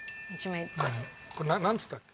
これなんつったっけ？